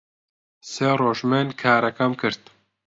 سێ ڕۆژ من کارەکەم کرد